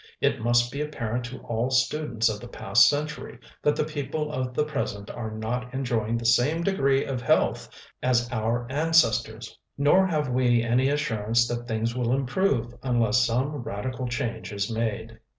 It must be apparent to all students of the past century that the people of the present are not enjoying the same degree of health as our ancestors, nor have we any assurance that things will improve unless some radical change is made.